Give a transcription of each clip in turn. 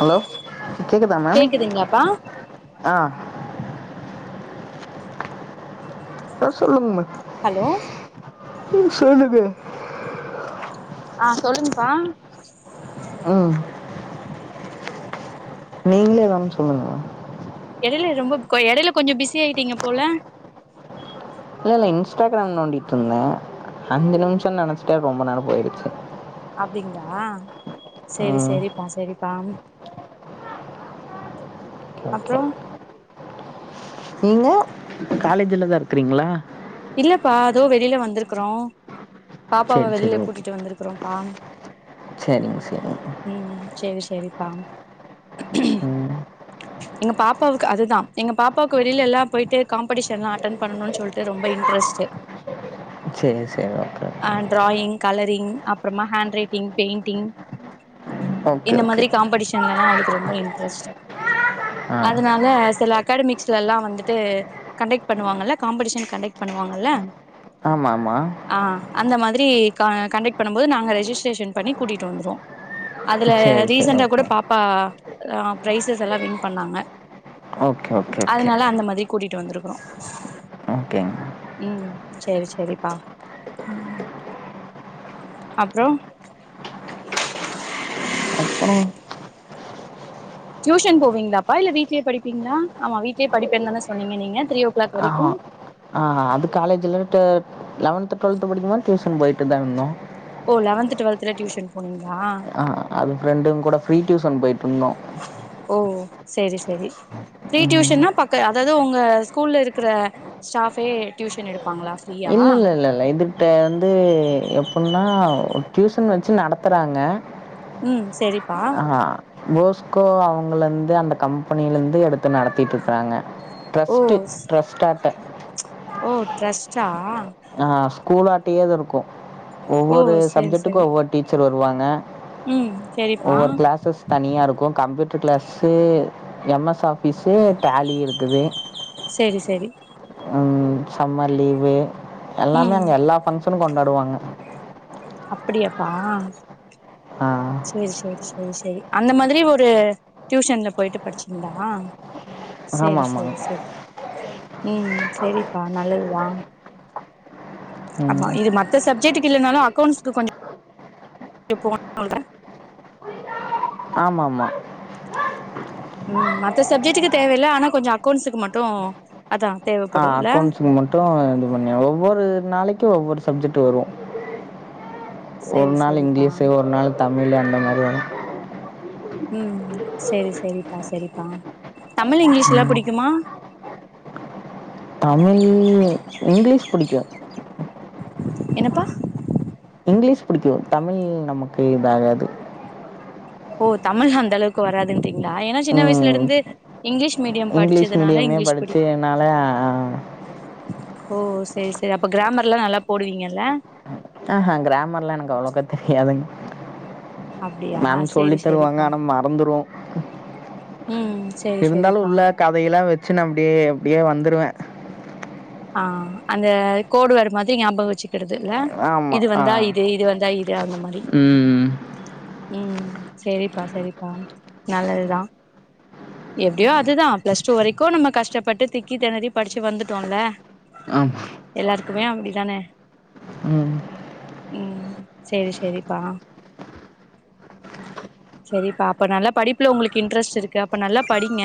Hello கேக்குதா ma'am, கேக்குதுங்களாப்பா ஆ அ சொல்லுங்க மா ஹலோ ம் சொல்லுங்க ஆ சொல்லுங் பா ம் நீங்ளே ஏதா ஒன்னு சொல்லுங்க எடைல ரொம்ப கொ எடைல கொஞ்சோ பிஸி ஆயிட்டீங்க போல இல்ல இல்ல இன்ஸ்டாகிராம் நோண்டிகிட்டு இருந்தே அஞ்சு நிமிஷம்னு நெனச்சிட்டே ரொம்ப நேரம் போயிடுச்சு அப்டிங்ளா சேரி ம் சேரிப்பா சேரி தாம் அப்றோ நீங்க காலேஜீலதா இருக்றீங்களா இல்லப்பா அதோ வெளில வந்துருக்குறோ பாப்பாவ சரி வெளியில கூட்டிட்டு வந்திருக்குறோம் பா சேரிங்க சேரிங்க சரிப்பா ம் எங்க பாப்பாவுக்கு அதுதான் எங்க பாப்பாவுக்கு வெளில எல்லாம் போயிட்டு காம்படிஷனல்லாம் அட்டென் பண்ணனும்னு சொல்லிட்டு ரொம்ப ட்ரஸ்ட் சரி சரி ஓகே ஆ ஓகே டிராயிங் கலரிங் அப்பறமா ஹேண்ட் ரைட்டிங் பெயிண்டிங் ஓகே இந்த ஓகே மாதிரி காம்படிஷன்லல்லாம் அவுளுக்கு ரொம்ப இன்ட்ரெஸ்ட் ஆ அதனால சில அகாடமிக்ஸ்ல எல்லாம் வந்துட்டு கண்டக்ட் பண்ணுவாங்கல்ல காம்படிஷன் கண்டக்ட் பண்ணுவாங்கல்ல ஆமாம் ஆமாம் அஹ் அந்த மாதிரி தி காண் கண்டக்ட் பண்ணும் போது நாங்க ரெஜிஸ்டரேஷன் பண்ணி கூட்டிட்டு வந்துருவோம் அதுல சரி சரி ரீசண்ட்டா கூட ஓகே பாப்பா அஹ் ப்ரைசஸ் எல்லா வின் பண்ணாங்க ஓகே ஓகே ஓகே அதனால அந்த மாதிரி கூட்டிட்டு வந்துரும் அஹ் ஓகேங் உம் செரி செரிப்பா அப்புறோ அப்புறம் டியூஷன் போவீங்களாப்பா இல்ல வீட்டிலேயே படிப்பீங்களா ஆமா வீட்டிலேயே படிப்பேன்னு தான சொன்னீங்க நீங்க த்ரீ ஓ கிளாக் ஆஹா வரைக்கும் ஆ அது காலேஜில்லட்டு லெவன்த்து டுவல்த்து படிக்கும் போது டியூஷன் போயிட்டு தான் இருந்தோம் ஓ லெவன்த்து டுவல்த்துல டியூஷன் போனிங் அஹ் அஹ் அது ஃப்ரெண்டுங்க கூட ஃப்ரீ டியூஸ் சன் போயிட்டு இருந்தோம் ஓ செரி செரி ஃபிரீ டியூஷன்னா பக் க்க அதாவது உங்க ஸ்கூல்ல இருக்கிற ஸ்டாஃபே டியூஷன் எடுப்பாங்களா ஃப்ரீயா இல்ல இல்ல இல்ல இதுட்ட வந்து எப்புடின்னா ஓ டியூஷன் வச்சு நடத்துறாங்க உம் செரிப்பா ஆ போஸ்கோ அவுங்கள்ல இருந்து அந்த கம்பெனியில இருந்து எடுத்து நடத்திட்டு இருக்கறாங்க ஓ ட்ரஸ்ட்டு ஸ் ட்ரஸ்டாட்ட ச்சு ஓ டிரஸ்ட்டா அஹ் ஸ்கூல்லு ஆட்டயேதா இருக்கும் ஓ ஒவ்வொரு செரி செரி சப்ஜெக்டுக்கும் ஒவ்வொரு டீச்சர் பேரு வருவாங்க ம் செரிப்பா ஒவ்வொரு கிளாஸஸ் தனியா இருக்கும் computer class M S office tally இருக்குது செரி செரி உம் சம்மர் லீவு எல்லாமே ம் அங்க எல்லா ஃபங்க்ஷனும் கொண்டாடு வாங்க அ அப்படியாப்பா ஆ சேரி சேரி செரி செரி அந்த மாதிரி ஒரு டியூஷன்ல போயிட்டு படிச்சிங்கிளா ஆமாம் செரி ஆமாங்க செரி செரி ம் சரிப்பா நல்லது தா ஆமா ம் இது மத்த சப் சேச்சிக்கு இல்லனாலு அக்கௌண்ட்ஸ்கு கொஞ்ச [unintelligible] ஆமா ஆமா ம் மத்த சப்ஜெட்டுக்கு தேவயில்ல ஆனா கொஞ்சோ அக்கௌன்ண்ட்ஸ்க்கு மட்டு அதா ஆ தேவப்படுல்ல அக்கௌண்ட்ஸுக்கு மட்டு இது பண்ண ஒவ்வொரு நாளைக் ஒவ்வொரு சப்ஜெக்ட் வரு ஒரு சேரி நாள் சேரிப்பா இங்கிலீஸு ஒரு நாள் தமிழு அந்த மாரி வரு ம் செரி செரிப்பா செரிப்பா தமிழ் இங்கிலீஷ்லா புடிக்குமா தமிழ் இங்கிலீஷ் புடிக்கு என்னப்பா இங்கிலீஷ் புடிக்கு தமிழ் நமக்கு இதாகாது ஓ தமிழ் அந்த அளவுக்கு வராதுன்றீங்களா ஏனா சின்ன வயசுல ம் இருந்து இங்கிலீஷ் மீடியம் இங்கிலீஷ் படிச்சதுனால மீடியமே இங்கிலீஷ் புடிக் படிச்சுனால ஓ செரி செரி அப்ப கிராமர்லா நல்லா போடுவீங்கல்ல ஆஹ கிராமர்லா எனக்கு அவ்ளோக்கா தெரியாதுங் அப்டியா மேம் சொல்லி சேரி தருவாங்க சேரிப்பா ஆனா மறந்துருவோ ம் சேரி இருந்தாலு சேரிப்பா உள்ள கதையெல்லா வச்சுன் அப்படியே அப்படியே வந் வந்துருவ ஆ அந்த கோடு வேடு மாதிரி ஞாபக வச்சு க்கிறதுல்ல இது ஆமாம் ஆ வந்தா இது இது வந்தா இது அந்த மாரி ம் ம் செரிப்பா செரிப்பா நல்லதுதா எப்டியோ அதுதா பிளஸ் டூ வரைக்கு நம்ம கஷ்டப்பட்டு திக்கி திணரி படிச்சு வந்துட்டோல்ல ஆமாம் எல்லாருக்குமே அப்படிதானே ம் ம் செரி செரிப்பா செரிப்பா அப்ப நல்லா படிப்புல உங்களுக்கு இன்ட்ரெஸ்ட் இருக்கு அப்ப நல்லா படிங்க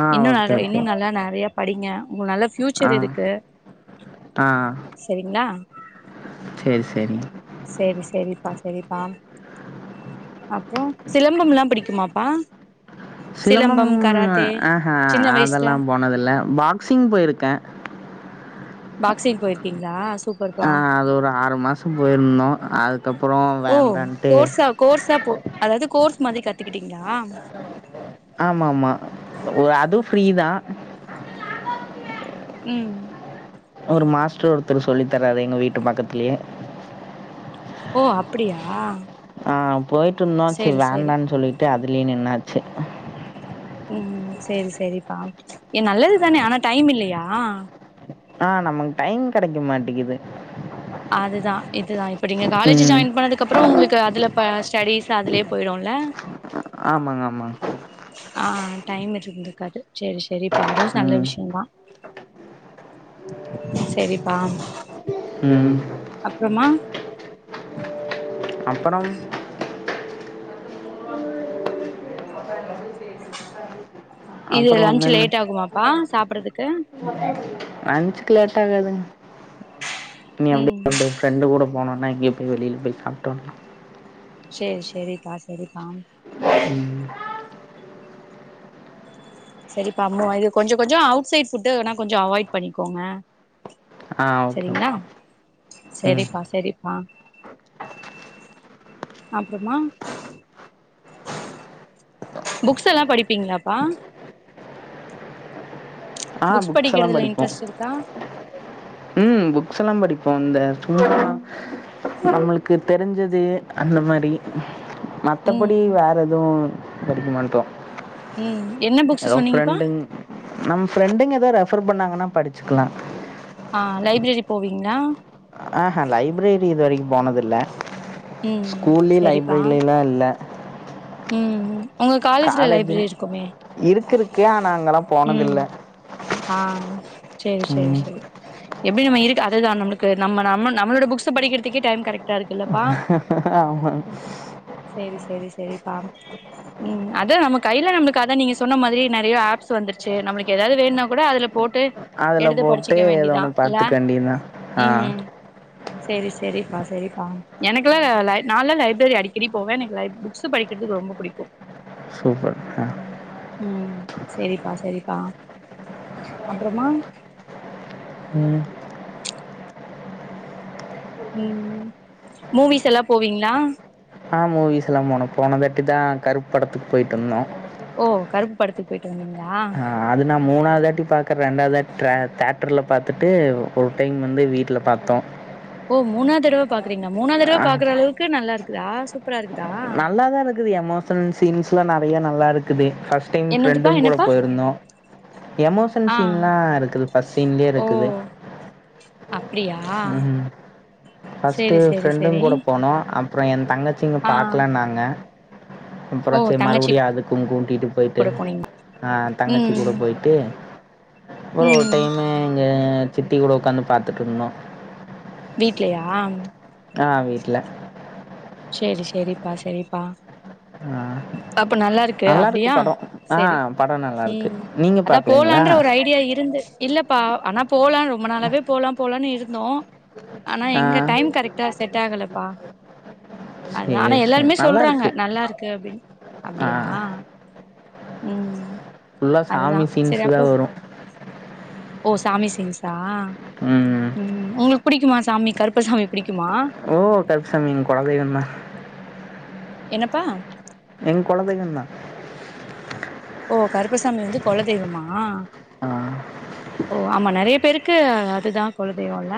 ஆ இன்னு ஓகே நெறைய ஓகே இன்னும் நல்லா நெறைய படிங்க உங்க நல்ல ஆ பியூச்சர் இருக்கு செரிங்களா செரி செரி பா செரிப்பா அப்புறோ சிலம்பம்லா பிடிக்குமாப்பா சிலம்பம் ஆஹா சின்ன வயசுல அதெல்லா போனதில்ல பாக்சிங் போயிருக்கே பாக்சிங் போயிருக்கீங்களா சூப்பர் ஆ அது ஒரு ஆறு மாசோ போயிருந்தோ அது ஓ கோர்ஸா கோர்சா போ அதாவது கோர்ஸ் மாதிரி கத்துக்கிட்டீங்களா ஆமா ஆமா அதுவு ஃப்ரீ தா ம் ஒரு மாஸ்டர் ஒருத்தர் சொல்லி தராரு எங்க வீட்டு பக்கத்லியே ஓ அப்டியா ஆம் போய்ட்டுருந்தோ செரி சேரி சேரி வேண்டான்னு சொல்லிட்டு அ த்லியு நின்னாச்சு ம் செரி செரிப்பா ஏ நல்லது தானே ஆனா டைம் இல்லையா ஆ நமக்கு டைம் கெடைக்க மாட்டேக்குது அதுதா இதுதா இப் ப்ப நீங்க காலேஜு ம் ஜாயின் பண்ணதுகப்றோ உங்களுக்கு அதுலப் ப ஸ்டடிஸ் அதுலயே போய்டுல்ல ஆமாங் ஆமாங் ஆ டைம் இருந்திருக்காது சேரி சேரி அப்ப அதுவுஸ் நல்ல ம் விஷ்யோதா செரிப்பா ம் அப்றமா அப்றம் இது அப்புறம் லன்ச் ஒன்றும் இல்லை லேட் ஆகுமாப்பா சாப்டுறதுக் க லன்ச்க்கு லேட் ஆகாதுங்க நீ அப்டி ம் அப்டிய ஃப்ரெண்டு கூட போனோனா எங்கியோ போய் வெளில போய் சாப்டோன்னா சேரி செரிப்பா செரிப்பா செரிப்பா அம்மு இது கொஞ்சோ கொஞ்சோ அவுட் சைட் ஃபுட்டு வேனா கொஞ்சோ அவாய்ட் பண்ணிக்கோங்க ஆ ஓகே ஓகே ம் செரிப்பா செரிப்பா அப்றமா புக்ஸ் எல்லா படிப்பீங்ளாப்பா ஆ புக்ஸ் எல்லாம் படிக்றதுல படிப்போம் இன்ட்ரஸ்ட் இருக்கா ம் புக்ஸ் எல்லா படிப்போ இந்த [inaudible] நம்மளுக்கு தெரிஞ்சது அந்த மாரி மத்தபடி ம் வேற எதூ படிக்கமாட்டோ ம் என்ன புக்ஸு சொன்னீங்கப்பா நம் ஃப்ரெண்டுங்க ஏதோ ரெஃபர் பண்ணாங்கன்னா படிச்சுக்லா ஆ லைப்ரரி போவீங்ளா ஹ ஹா லைப்பெரி இதுவரைக்கும் போனதில்ல ம் ஸ்கூலில் லைப்ரரிலா இல்ல உம் உம் உங்க காலேஜ்ல லைப்ரரி காலேஜில் இருக்குமே இருக்கு இருக்கு ஆனால் அங்கெல்லாம் ம் போனதில்லை ஆஹ செரி செரி ம். செரி எப்டி நம இருக்கு அதுதா நம்மலுக்கு நம்ம நம்ம நம்மோட புக்ஸ் படிக்கிறதுக்கே டைம் கரைட்டா இருக்குல ஆமாங் செரி செரி ப்பா உம் அதா நம்ம கையில நம்ம அதா நீங்க சொன்ன மாதிரியோ நறைய அப்ஸ் வந்துருச்சி நம்மளுக்கு ஏதாது வேணுனா கூட அதுல போட்டு அதுல எடுத்து போட்டு படிச்சுக்க ஏதோ வேண்டிதா ஒண்ணு இல்ல பாத்துக்க வேண்டியதான் ஆஹ் செரி செரிப்பா செரிப்பா எனக்குள்ளா லைப் நாளா லைப்ரரி அடிக்கடி போவங் எனக்கு லைப் புக்ஸ் படி கிறதுக்கு ரொம்ப புடிக்கும் சூப்பர் ஹ செரிப்பா செரிப்பா அப்புறமா உம் உம் மூவிஸ் எல்லா போவீங்களா ஆஹ் மூவிஸ் எல்லா போணோ போன தாட்டி தா கருப்பு படத்துக்கு போயிட்டு வந்தோம் ஓ கருப்பு படத்துக்கு போயிட்டு வந்தீங்க ஆஹ் அது நா மூணாதாட்டி பாக்குற ரெண்டாதாட்டி தே தேட்டர்ல பாத்திட்டு ஒரு டைம் வந்து வீட்ல பாத்தோ ஓ மூணாதடவ பாக்றீங்களா மூணாதடவ பாக்ற அளவுக்கு நல்லா இருக்கு கிளாஸ்ஸிக்கு நல்லாதா இருக்குது எமோஷனல் சீன்ஸ் லா நெறையா நல்லா இருக்குது ஃபர்ஸ்ட் டைம் என்னதுப்பா ஃப்ரெண்டுங் கூட என்னப்பா போயிருந்தோ எமோஷன் ஆ சீன்லா இருக்குது ஃபஸ்ட் சீன்லே ஓ இருக்குது அப்டியா ம் ஃபர்ஸ்ட்டு சேரி சேரி சேரி ஃப்ரெண்டுங் கூட போனோ ஃப்ரெண் தங்கச்சிங்க ஆ பாக்கலா நாங்க ஓ அப்ரே ச்ச தங்கச்சி மறுபிடியு அதுக்கு கூட்டிட்டு போயிட்டு கூட போனீங்க அஹ் தங்கச்சி கூட ம் போயிட்டு அப்ரோ ஒரு ம் டைம்மு எங்க சித்தி கூட ஒக்காந்து பாத்துட்டுருந்தோ வீட்லயா ஆஹ் வீட்ல செரி செரிப்பா செரிப்பா ஆ அப்போ நல்லா இருக்கு நல்லாருக்கு அப்டியா படம். ஆ செரி படம் நல்லாருக்கு. ம் நீங்க அதா பாக்கலைங்களா? போலான்ற ஒரு ஐடியா இருந்து இல்லப்பா ஆனா போலா ரொம்ப நாளாவே போலா போலானு இருந்தோ ஆனா ஆ எங்க டைம் கரெக்ட்டா செட் ஆகல ப்பா அதா சேரி ஆனா சேரி. எல்லாருமே சொல்றாங்க நல்லாருக்கு. நல்லா இருக்கு அப்டின் ஆ அப்டியா ம் ஃபுல்லா அதுதா சாமி சீன்ஸ் சேரி தா அப்போ வரு ஓ சாமி சீன்சா ம்ஹ் புடிக்குமா சாமி கருப்பசாமி புடிக்குமா ஓ கருப்பசாமி எங் கொலதெய்வந்தா என்னப்பா எங் கொலதெய்வந்தா ஓ கருப்பசாமி வந்து கொலதெய்வமா ஆஹ் ஓ ஆமா நறைய பேருக்கு அதுதா கொலதெய்வோ ல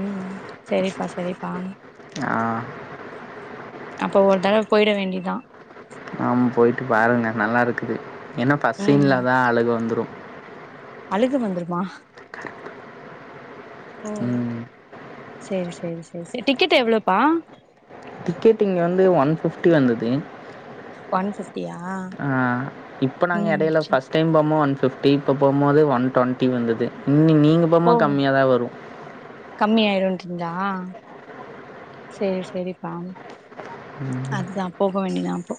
ம் செரிப்பா செரிப்பா ஆ அப்போ ஒரு தட பொய்ட வேண்டிதா ஆம் போய்ட்டு பாருங்க நல்லாருக்குது என்ன ம் ஃபர்சின்ல தா அழுக வந்துரு அழுக வந்துருமா ம்ஹ் செரி செரி செரி செ டிக்கெட் எவ்ளப்பா டிக்கெட் இங்க வந்து ஒன் ஃபிப்ட்டி வந்துது ஒன்ஃபிப் ஆ இப்ப நாங்க எடைல சேரி ஃபஸ்ட் டைம் பமோ ஃபிப்டி ப்ப போமோது ஒன் டொண்டி வந்துது இன்னி நீங்க போமோ கம்மியாதா வரு கம்மியாய்ருன்றிங்ளா சேரி செரிப்பா அதுதா போக வேண்டிதா அப்போ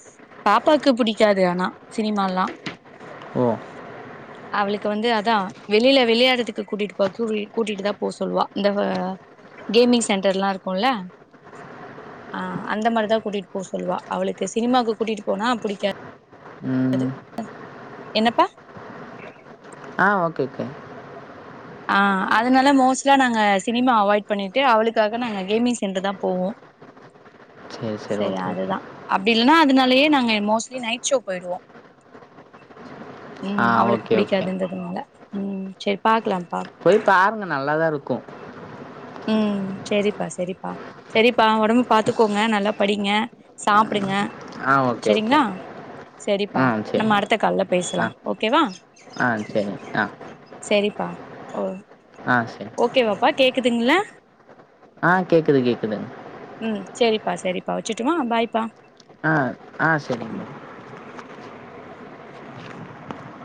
பாப்பாக்கு புடிக்காது ஆனா சினிமால்லா ஓ அவ்ளுக்கு வந்து அதா வெளில விளயாட்றதுக்கு கூட்டிட்டு போ கூட்டிட்டு தா போ சொல்வா இந்த கேமி சென்டர்லா இருக்குல ஆஹ் அந்த மாரிதா கூட்டிட்டு போ சொல்லுவா அவளுக்கு சினிமாக்கு கூட்டிட்டு போனா புடிக்காது அது ம் என்னப்பா ஆ ஓகே ஓகே ஆ அதனால மோஸ்ட்லா நாங்க சினிமா அவாய்ட் பண்ணிட்டு அவளுக்காக நாங்க கேமிங் சென்டர் தா போவோ சரி சரி சே ஓகே ஓகே அதுதா அப்டி இல்லன்னா அதனா நாங்க மோஸ்லி நைட் ஷோ போய்டுவோ ஆ ம் அவளுக்கு ஓகே ஓகே புடிக்காதுன்றதுனால ம் செர் பாக்லா போய் பாருங்க நல்லாதா இருக்கு ம் செரிப்பா செரிப்பா செரிப்பா ஒடம்பு பாத்துக்கோங்க நல்லா படிங்க சாப்டுங்க ஆ ஓகே ஓகே செரிங்ளா செரிப்பா ஆ சரி நம்ம அடுத்த கால்ல பேஸ்லா ஆ ஓகே வா ஆ சரி ஆ செரி ஆ சரி [unintelligible] ஓகேவாப்பா கேக் இக்குதுங்ள ஆ கேக்குது கேக்குது ம் சேரிப்பா சேரிப்பா வெச்சர்ட்டுமா பாய்பா ஆ ஆ சேரிங்க